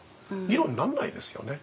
議論になんないですよね。